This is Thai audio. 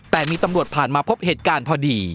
แต่มีตำรวจผ่านมาพบเหตุการณ์พอดี